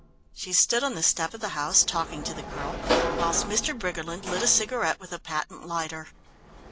She stood on the step of the house talking to the girl, whilst Mr. Briggerland lit a cigarette with a patent lighter.